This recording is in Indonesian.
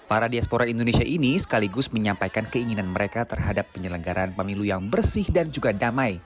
para diaspora indonesia ini sekaligus menyampaikan keinginan mereka terhadap penyelenggaraan pemilu yang bersih dan juga damai